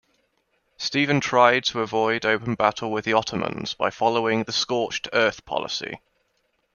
Stephan tried to avoid open battle with the Ottomans by following a scorched-earth policy.